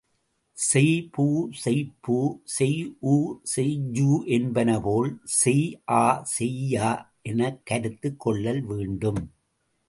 செய் பு செய்பு, செய் ஊ செய்யூ என்பனபோல், செய் ஆ செய்யா எனக் கருத்து கொள்ளல் வேண்டும்.